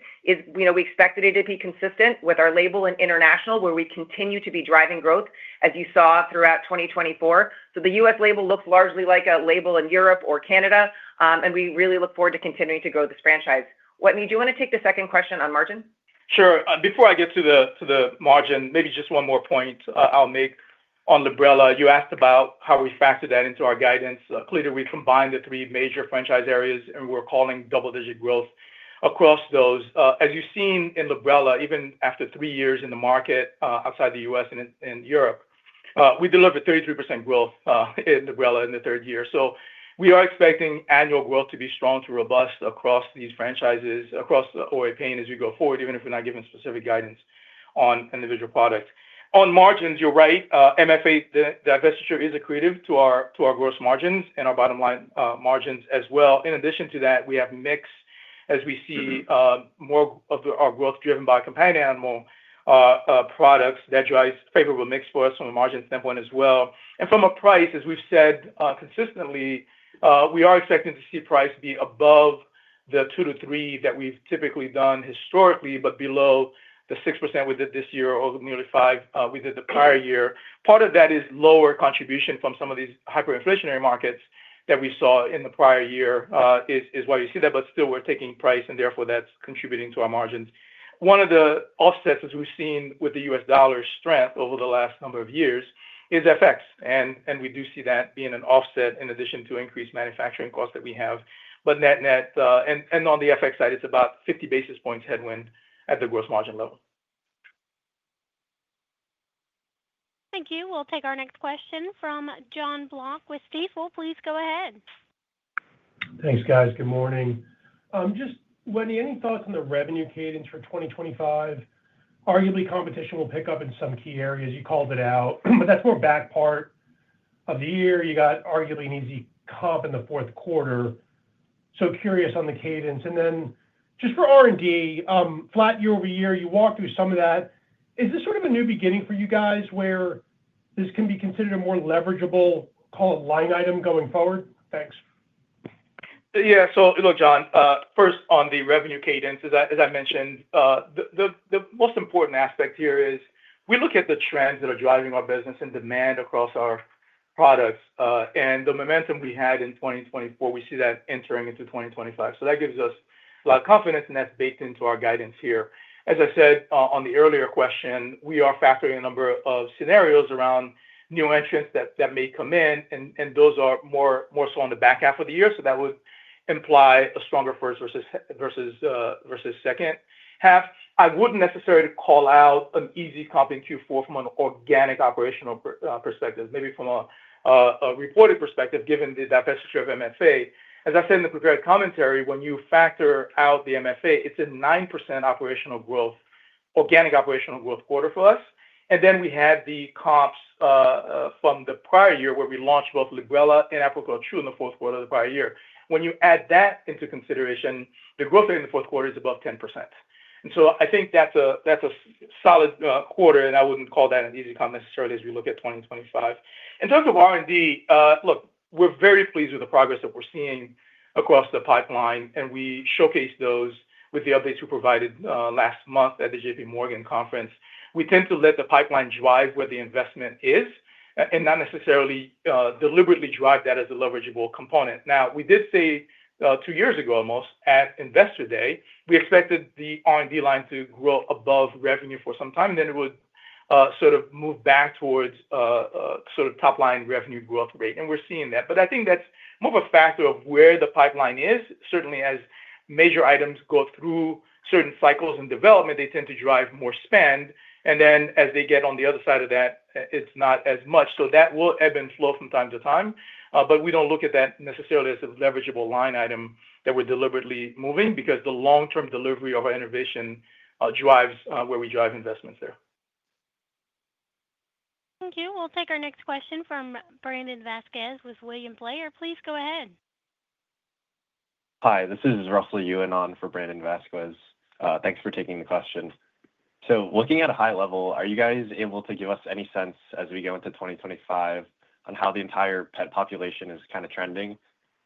C: we expected it to be consistent with our label in international, where we continue to be driving growth, as you saw throughout 2024. The U.S. label looks largely like a label in Europe or Canada, and we really look forward to continuing to grow this franchise. Wetteny, do you want to take the second question on margin?
D: Sure. Before I get to the margin, maybe just one more point I'll make on Librela. You asked about how we factored that into our guidance. Clearly, we combined the three major franchise areas, and we're calling double-digit growth across those. As you've seen in Librela, even after three years in the market outside the U.S. and Europe, we delivered 33% growth in Librela in the third year. So we are expecting annual growth to be strong to robust across these franchises, across the OA pain as we go forward, even if we're not given specific guidance on individual products. On margins, you're right. MFA divestiture is accretive to our gross margins and our bottom-line margins as well. In addition to that, we have mix, as we see more of our growth driven by companion animal products that drives favorable mix for us from a margin standpoint as well. From a price, as we've said consistently, we are expecting to see price be above the 2%-3% that we've typically done historically, but below the 6% we did this year or nearly 5% we did the prior year. Part of that is lower contribution from some of these hyperinflationary markets that we saw in the prior year, which is why you see that. But still, we're taking price, and therefore that's contributing to our margins. One of the offsets as we've seen with the U.S. dollar strength over the last number of years is FX. And we do see that being an offset in addition to increased manufacturing costs that we have. But net net, and on the FX side, it's about 50 basis points headwind at the gross margin level.
A: Thank you. We'll take our next question from Jonathan Block with Stifel. Please go ahead.
G: Thanks, guys. Good morning. Wetteny, any thoughts on the revenue cadence for 2025? Arguably, competition will pick up in some key areas. You called it out, but that's more back part of the year. You got arguably an easy comp in the Q4. So curious on the cadence. And then just for R&D, flat year-over-year, you walked through some of that. Is this sort of a new beginning for you guys where this can be considered a more leverageable, call it line item going forward? Thanks.
D: Yeah. So look, John, first on the revenue cadence, as I mentioned, the most important aspect here is we look at the trends that are driving our business and demand across our products. And the momentum we had in 2024, we see that entering into 2025. So that gives us a lot of confidence, and that's baked into our guidance here. As I said on the earlier question, we are factoring a number of scenarios around new entrants that may come in, and those are more so on the back half of the year. So that would imply a stronger first versus second half. I wouldn't necessarily call out an easy comp in Q4 from an organic operational perspective, maybe from a reported perspective given the divestiture of MFA. As I said in the prepared commentary, when you factor out the MFA, it's a 9% organic operational growth quarter for us. And then we had the comps from the prior year where we launched both Librela and Apoquel Chewable in the Q4 of the prior year. When you add that into consideration, the growth in the Q4 is above 10%. And so I think that's a solid quarter, and I wouldn't call that an easy comp necessarily as we look at 2025. In terms of R&D, look, we're very pleased with the progress that we're seeing across the pipeline, and we showcased those with the updates we provided last month at the J.P. Morgan conference. We tend to let the pipeline drive where the investment is and not necessarily deliberately drive that as a leverageable component. Now, we did say two years ago almost at Investor Day, we expected the R&D line to grow above revenue for some time, and then it would sort of move back towards sort of top-line revenue growth rate. And we're seeing that. But I think that's more of a factor of where the pipeline is. Certainly, as major items go through certain cycles and development, they tend to drive more spend. And then as they get on the other side of that, it's not as much. So that will ebb and flow from time to time. But we don't look at that necessarily as a leverageable line item that we're deliberately moving because the long-term delivery of our innovation drives where we drive investments there.
A: Thank you. We'll take our next question from Brandon Vazquez with William Blair. Please go ahead.
H: Hi, this is Russell Yan for Brandon Vazquez. Thanks for taking the question. So looking at a high level, are you guys able to give us any sense as we go into 2025 on how the entire pet population is kind of trending?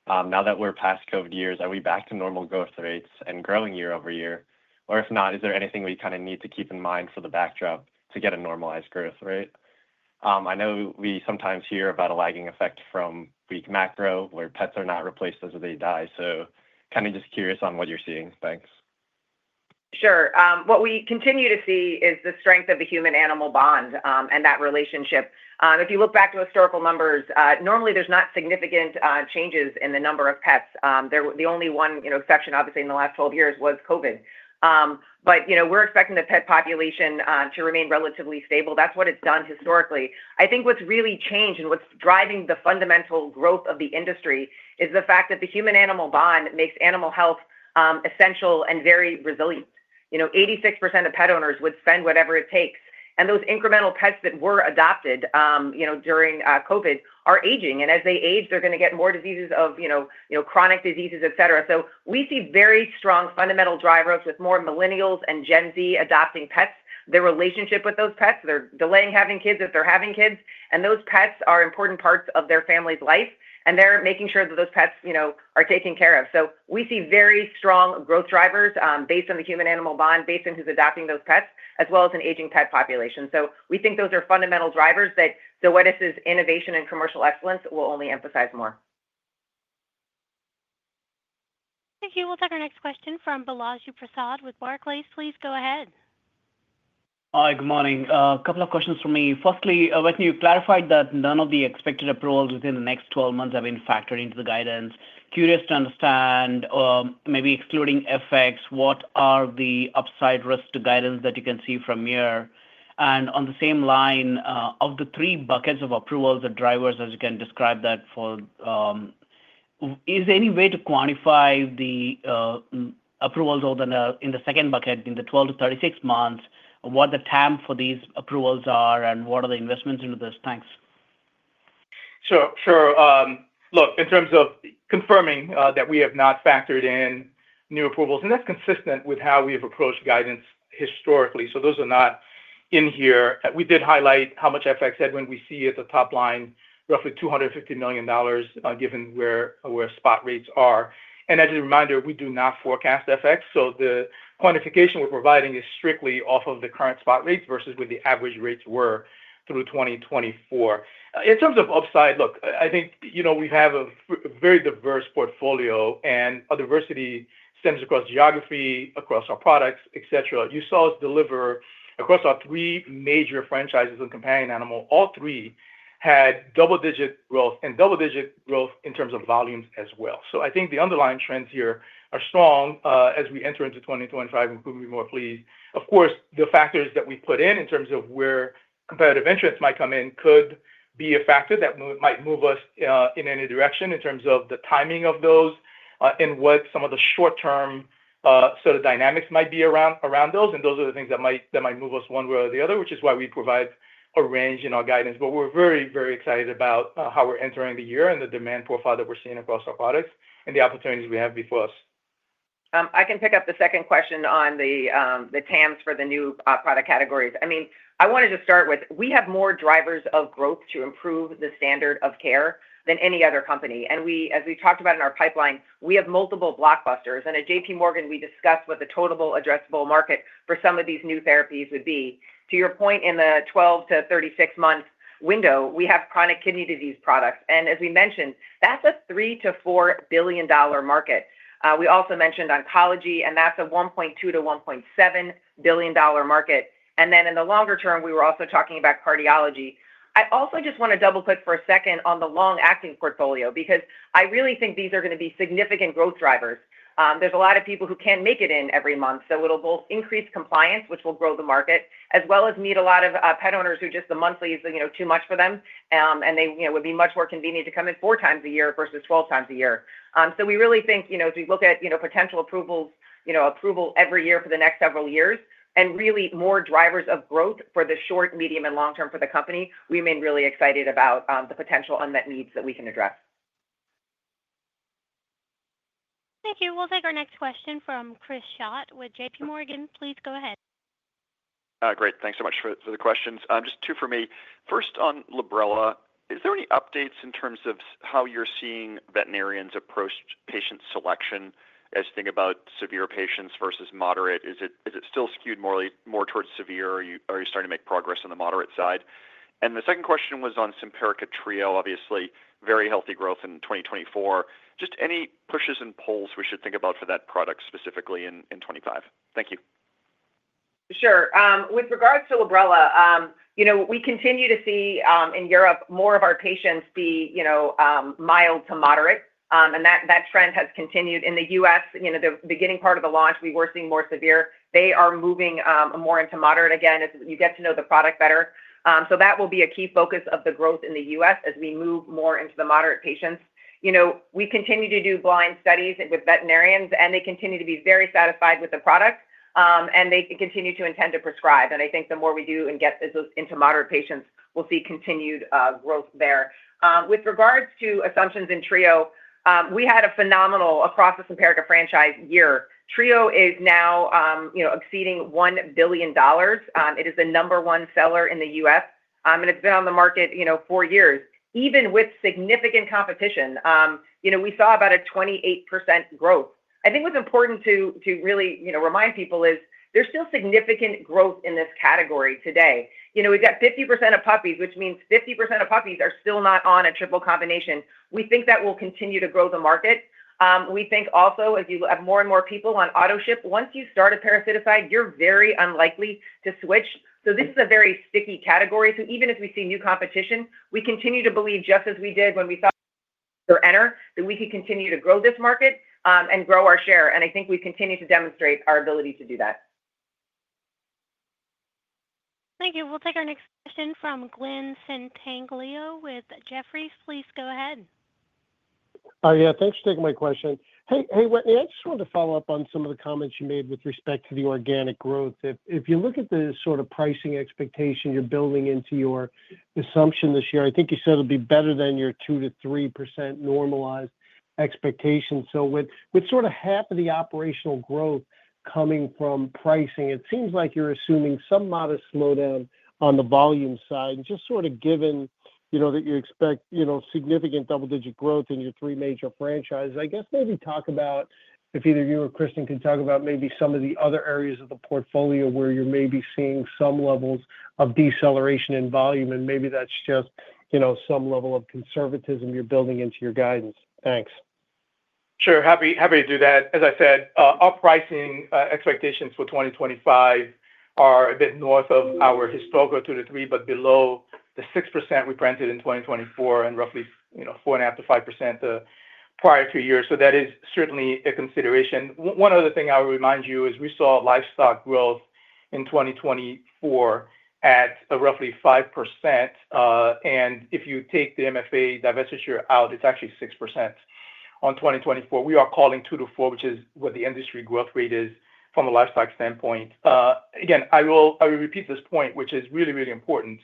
H: Now that we're past COVID years, are we back to normal growth rates and growing year-over-year? Or if not, is there anything we kind of need to keep in mind for the backdrop to get a normalized growth, right? I know we sometimes hear about a lagging effect from weak macro where pets are not replaced as they die. So kind of just curious on what you're seeing. Thanks.
C: Sure. What we continue to see is the strength of the human-animal bond and that relationship. If you look back to historical numbers, normally there's not significant changes in the number of pets. The only one exception, obviously, in the last 12 years was COVID. But we're expecting the pet population to remain relatively stable. That's what it's done historically. I think what's really changed and what's driving the fundamental growth of the industry is the fact that the human-animal bond makes animal health essential and very resilient. 86% of pet owners would spend whatever it takes. And those incremental pets that were adopted during COVID are aging. And as they age, they're going to get more diseases of chronic diseases, etc. So we see very strong fundamental drivers with more millennials and Gen Z adopting pets, their relationship with those pets. They're delaying having kids if they're having kids. And those pets are important parts of their family's life, and they're making sure that those pets are taken care of. So we see very strong growth drivers based on the human-animal bond, based on who's adopting those pets, as well as an aging pet population. So we think those are fundamental drivers that Zoetis's innovation and commercial excellence will only emphasize more.
A: Thank you. We'll take our next question from Balaji Prasad with Barclays. Please go ahead.
I: Hi, good morning. A couple of questions for me. Firstly, Wetteny, you clarified that none of the expected approvals within the next 12 months have been factored into the guidance. Curious to understand, maybe excluding FX, what are the upside risk to guidance that you can see from here? And on the same line, of the three buckets of approvals, the drivers, as you can describe that for, is there any way to quantify the approvals in the second bucket, in the 12 to 36 months, what the TAM for these approvals are, and what are the investments into this? Thanks.
D: Sure. Look, in terms of confirming that we have not factored in new approvals, and that's consistent with how we have approached guidance historically. So those are not in here. We did highlight how much FX headwind we see at the top line, roughly $250 million, given where spot rates are. As a reminder, we do not forecast FX. So the quantification we're providing is strictly off of the current spot rates versus where the average rates were through 2024. In terms of upside, look, I think we have a very diverse portfolio, and our diversity stems across geography, across our products, etc. You saw us deliver across our three major franchises and companion animal. All three had double-digit growth and double-digit growth in terms of volumes as well. So I think the underlying trends here are strong as we enter into 2025 and could be more pleased. Of course, the factors that we put in in terms of where competitive entrants might come in could be a factor that might move us in any direction in terms of the timing of those and what some of the short-term sort of dynamics might be around those. Those are the things that might move us one way or the other, which is why we provide a range in our guidance. But we're very, very excited about how we're entering the year and the demand profile that we're seeing across our products and the opportunities we have before us.
C: I can pick up the second question on the TAMs for the new product categories. I mean, I wanted to start with, we have more drivers of growth to improve the standard of care than any other company. As we talked about in our pipeline, we have multiple blockbusters. At J.P. Morgan, we discussed what the total addressable market for some of these new therapies would be. To your point, in the 12- to 36-month window, we have chronic kidney disease products. As we mentioned, that's a $3 to 4 billion market. We also mentioned oncology, and that's a $1.2 to 1.7 billion market, and then in the longer term, we were also talking about cardiology. I also just want to double-click for a second on the long-acting portfolio because I really think these are going to be significant growth drivers. There's a lot of people who can't make it in every month, so it'll both increase compliance, which will grow the market, as well as meet a lot of pet owners who just the monthly is too much for them, and it would be much more convenient to come in four times a year versus 12 times a year. So we really think as we look at potential approvals every year for the next several years and really more drivers of growth for the short, medium, and long term for the company, we remain really excited about the potential unmet needs that we can address.
A: Thank you. We'll take our next question from Chris Schott with J.P. Morgan. Please go ahead.
J: Great. Thanks so much for the questions. Just two for me. First, on Librela, is there any updates in terms of how you're seeing veterinarians approach patient selection as you think about severe patients versus moderate? Is it still skewed more towards severe? Are you starting to make progress on the moderate side? And the second question was on Simparica Trio, obviously very healthy growth in 2024. Just any pushes and pulls we should think about for that product specifically in 2025? Thank you.
C: Sure. With regards to Librela, we continue to see in Europe more of our patients be mild to moderate, and that trend has continued. In the U.S., the beginning part of the launch, we were seeing more severe. They are moving more into moderate again as you get to know the product better, so that will be a key focus of the growth in the U.S. as we move more into the moderate patients. We continue to do blind studies with veterinarians, and they continue to be very satisfied with the product, and they continue to intend to prescribe, and I think the more we do and get into moderate patients, we'll see continued growth there. With regards to Simparica Trio, we had a phenomenal year across the Simparica franchise. Trio is now exceeding $1 billion. It is the number one seller in the U.S., and it's been on the market four years. Even with significant competition, we saw about a 28% growth. I think what's important to really remind people is there's still significant growth in this category today. We've got 50% of puppies, which means 50% of puppies are still not on a triple combination. We think that will continue to grow the market. We think also, as you have more and more people on autoship, once you start a parasiticide, you're very unlikely to switch. So this is a very sticky category. So even as we see new competition, we continue to believe just as we did when we thought we were entering, that we could continue to grow this market and grow our share. And I think we continue to demonstrate our ability to do that.
A: Thank you. We'll take our next question from Glen Santangelo with Jefferies. Please go ahead.
K: Yeah. Thanks for taking my question. Hey, Wetteny, I just wanted to follow up on some of the comments you made with respect to the organic growth. If you look at the sort of pricing expectation you're building into your assumption this year, I think you said it'll be better than your 2% to 3% normalized expectation. So with sort of half of the operational growth coming from pricing, it seems like you're assuming some modest slowdown on the volume side. Just sort of given that you expect significant double-digit growth in your three major franchises, I guess maybe talk about if either you or Kristin can talk about maybe some of the other areas of the portfolio where you're maybe seeing some levels of deceleration in volume, and maybe that's just some level of conservatism you're building into your guidance. Thanks.
D: Sure. Happy to do that. As I said, our pricing expectations for 2025 are a bit north of our historical 2%-3%, but below the 6% we printed in 2024 and roughly 4.5%-5% the prior two years. So that is certainly a consideration. One other thing I would remind you is we saw livestock growth in 2024 at roughly 5%. If you take the MFA divestiture out, it's actually 6% in 2024. We are calling 2%-4%, which is what the industry growth rate is from a livestock standpoint. Again, I will repeat this point, which is really, really important.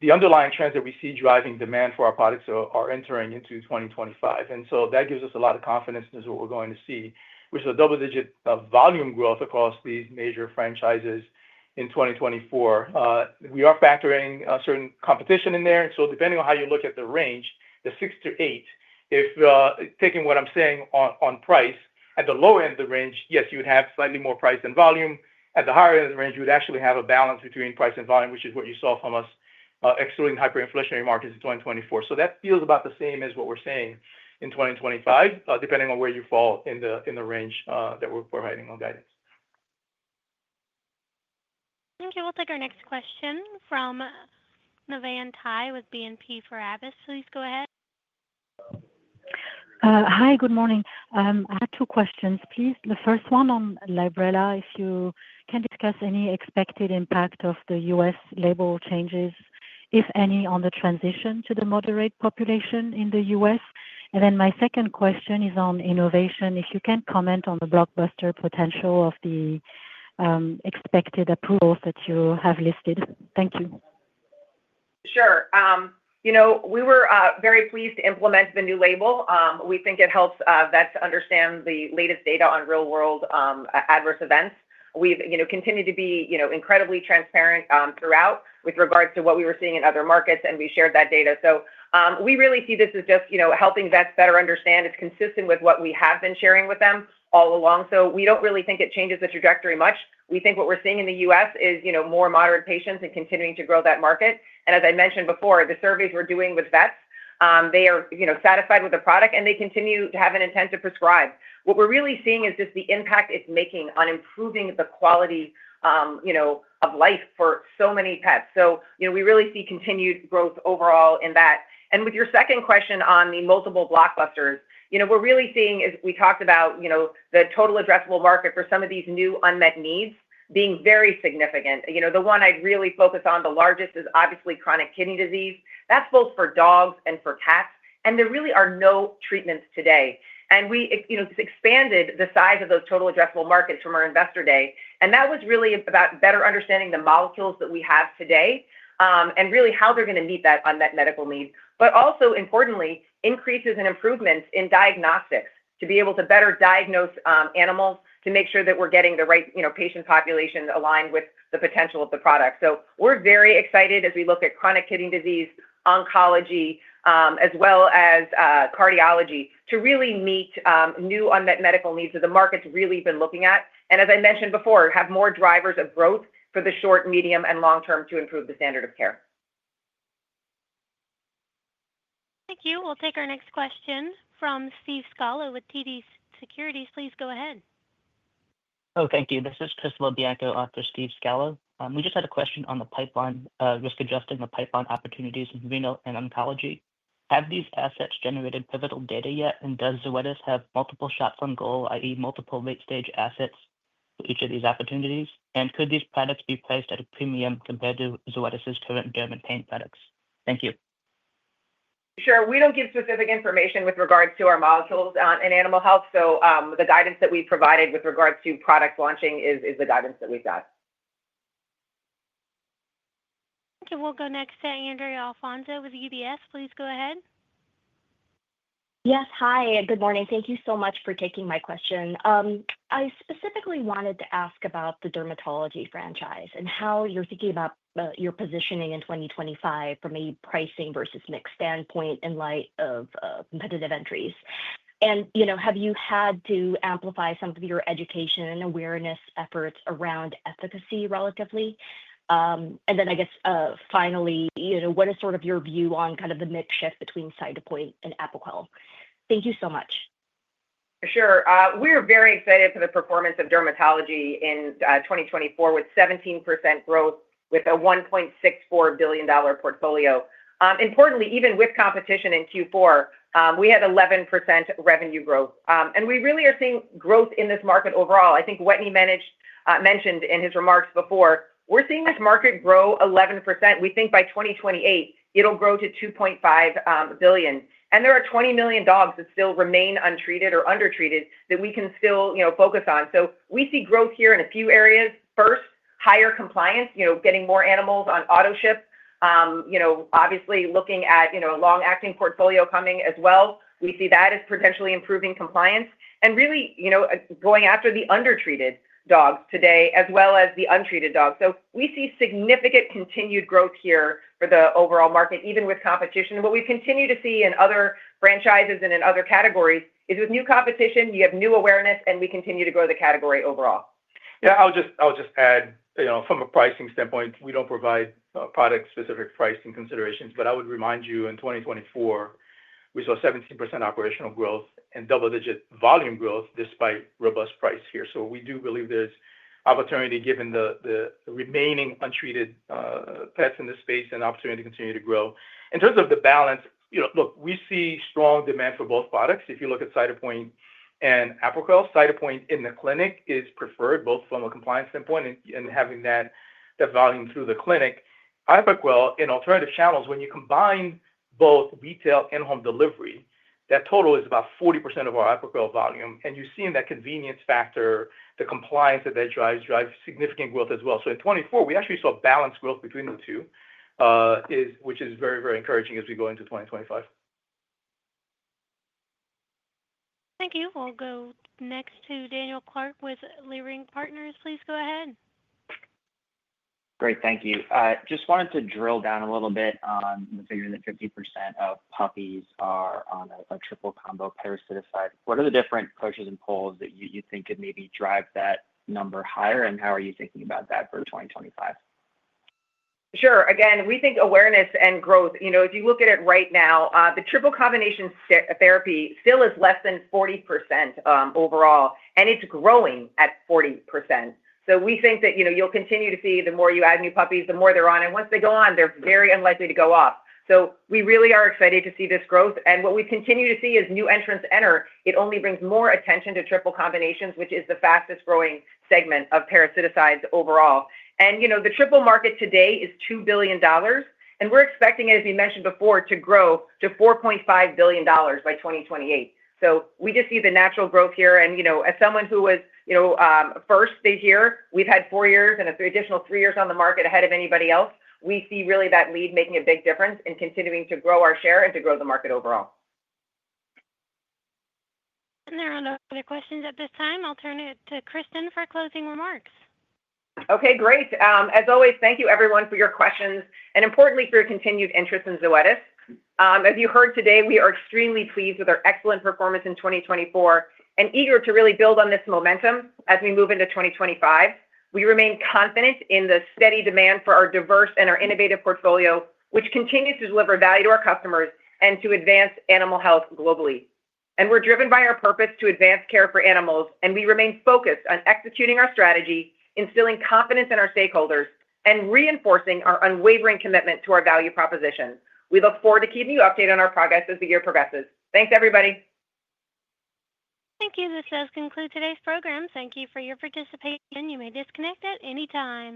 D: The underlying trends that we see driving demand for our products are entering into 2025, and so that gives us a lot of confidence in what we're going to see, which is a double-digit volume growth across these major franchises in 2024. We are factoring certain competition in there, and so depending on how you look at the range, the 6%-8%, if taking what I'm saying on price, at the low end of the range, yes, you would have slightly more price than volume. At the higher end of the range, you would actually have a balance between price and volume, which is what you saw from us excluding hyperinflationary markets in 2024. So that feels about the same as what we're seeing in 2025, depending on where you fall in the range that we're providing on guidance.
A: Thank you. We'll take our next question from Navann Ty with BNP Paribas. Please go ahead.
L: Hi, good morning. I have two questions. Please, the first one on Librela, if you can discuss any expected impact of the U.S. label changes, if any, on the transition to the moderate population in the U.S. And then my second question is on innovation. If you can comment on the blockbuster potential of the expected approvals that you have listed. Thank you.
C: Sure. We were very pleased to implement the new label. We think it helps vets understand the latest data on real-world adverse events. We've continued to be incredibly transparent throughout with regards to what we were seeing in other markets, and we shared that data. So we really see this as just helping vets better understand. It's consistent with what we have been sharing with them all along. So we don't really think it changes the trajectory much. We think what we're seeing in the U.S. is more moderate patients and continuing to grow that market. And as I mentioned before, the surveys we're doing with vets, they are satisfied with the product, and they continue to have an intent to prescribe. What we're really seeing is just the impact it's making on improving the quality of life for so many pets. So we really see continued growth overall in that. With your second question on the multiple blockbusters, what we're really seeing is we talked about the total addressable market for some of these new unmet needs being very significant. The one I'd really focus on, the largest, is obviously Chronic Kidney Disease. That's both for dogs and for cats. And there really are no treatments today. And we expanded the size of those total addressable markets from our investor day. And that was really about better understanding the molecules that we have today and really how they're going to meet that unmet medical need. But also, importantly, increases and improvements in diagnostics to be able to better diagnose animals to make sure that we're getting the right patient population aligned with the potential of the product. So we're very excited as we look at chronic kidney disease, oncology, as well as cardiology to really meet new unmet medical needs that the market's really been looking at. And as I mentioned before, have more drivers of growth for the short, medium, and long term to improve the standard of care.
A: Thank you. We'll take our next question from Steve Scala with TD Cowen. Please go ahead.
M: Oh, thank you. This is Chris LoBello on for Steve Scala. We just had a question on the pipeline risk-adjusting the pipeline opportunities in renal and oncology. Have these assets generated pivotal data yet? And does Zoetis have multiple shots on goal, i.e., multiple late-stage assets for each of these opportunities? And could these products be priced at a premium compared to Zoetis's current derm and pain products? Thank you.
C: Sure. We don't give specific information with regards to our molecules in animal health. So the guidance that we've provided with regards to product launching is the guidance that we've got.
A: Okay. We'll go next to Andrea Alfonso with UBS. Please go ahead.
N: Yes. Hi, good morning. Thank you so much for taking my question. I specifically wanted to ask about the Dermatology franchise and how you're thinking about your positioning in 2025 from a pricing versus mix standpoint in light of competitive entries. And have you had to amplify some of your education and awareness efforts around efficacy relatively? And then I guess finally, what is sort of your view on kind of the mix shift between Cytopoint and Apoquel? Thank you so much.
C: Sure. We are very excited for the performance of Dermatology in 2024 with 17% growth with a $1.64 billion portfolio. Importantly, even with competition in Q4, we had 11% revenue growth. We really are seeing growth in this market overall. I think Wetteny mentioned in his remarks before, we're seeing this market grow 11%. We think by 2028, it'll grow to $2.5 billion. There are 20 million dogs that still remain untreated or undertreated that we can still focus on. We see growth here in a few areas. First, higher compliance, getting more animals on autoship. Obviously, looking at a long-acting portfolio coming as well. We see that as potentially improving compliance and really going after the undertreated dogs today as well as the untreated dogs. We see significant continued growth here for the overall market, even with competition. What we continue to see in other franchises and in other categories is with new competition, you have new awareness, and we continue to grow the category overall.
D: Yeah. I'll just add from a pricing standpoint, we don't provide product-specific pricing considerations, but I would remind you in 2024, we saw 17% operational growth and double-digit volume growth despite robust pricing here. So we do believe there's opportunity given the remaining untreated pets in this space and opportunity to continue to grow. In terms of the balance, look, we see strong demand for both products. If you look at Cytopoint and Apoquel, Cytopoint in the clinic is preferred both from a compliance standpoint and having that volume through the clinic. Apoquel, in alternative channels, when you combine both retail and home delivery, that total is about 40% of our Apoquel volume. You're seeing that convenience factor, the compliance that that drives significant growth as well. So in 2024, we actually saw balanced growth between the two, which is very, very encouraging as we go into 2025.
A: Thank you. We'll go next to Daniel Clark with Leerink Partners. Please go ahead.
O: Great. Thank you. Just wanted to drill down a little bit on the figure that 50% of puppies are on a triple combo parasiticide. What are the different pushes and pulls that you think could maybe drive that number higher? And how are you thinking about that for 2025?
C: Sure. Again, we think awareness and growth. If you look at it right now, the triple combination therapy still is less than 40% overall, and it's growing at 40%. So we think that you'll continue to see the more you add new puppies, the more they're on. And once they go on, they're very unlikely to go off. So we really are excited to see this growth. And what we continue to see is new entrants enter. It only brings more attention to triple combinations, which is the fastest-growing segment of parasiticides overall. And the triple market today is $2 billion. And we're expecting it, as we mentioned before, to grow to $4.5 billion by 2028. So we just see the natural growth here. And as someone who was first this year, we've had four years and an additional three years on the market ahead of anybody else. We see really that lead making a big difference and continuing to grow our share and to grow the market overall.
A: And there are no further questions at this time. I'll turn it to Kristin for closing remarks.
C: Okay. Great. As always, thank you, everyone, for your questions and, importantly, for your continued interest in Zoetis. As you heard today, we are extremely pleased with our excellent performance in 2024 and eager to really build on this momentum as we move into 2025. We remain confident in the steady demand for our diverse and our innovative portfolio, which continues to deliver value to our customers and to advance animal health globally, and we're driven by our purpose to advance care for animals, and we remain focused on executing our strategy, instilling confidence in our stakeholders, and reinforcing our unwavering commitment to our value proposition. We look forward to keeping you updated on our progress as the year progresses. Thanks, everybody.
A: Thank you. This does conclude today's program. Thank you for your participation. You may disconnect at any time.